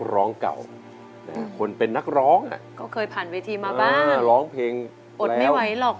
ลองเพลงแล้วอดไม่ไหวหรอก